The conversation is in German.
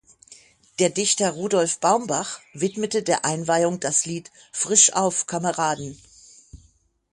Der Dichter Rudolf Baumbach widmete der Einweihung das Lied "Frisch auf, Kameraden".